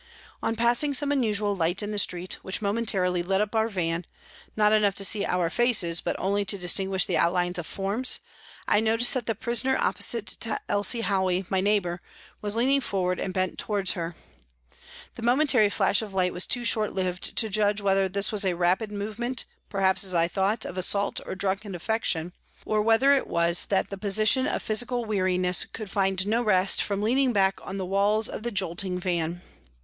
On passing some unusual light in the street, which momentarily lit up our van, not enough to see our faces but only to distinguish the outlines of forms, I noticed that the prisoner opposite to Elsie Howey, my neighbour, was leaning forward and bent towards her. The momentary flash of light was too short lived to judge whether this was a rapid movement perhaps, as I thought, of assault or drunken affection, or whether it was that the position of physical weariness could find no rest from leaning back on the walls of the jolting van.